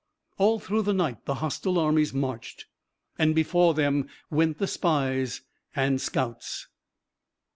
All through the night the hostile armies marched, and before them went the spies and scouts.